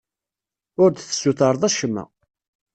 Ur d-tessutreḍ acemma.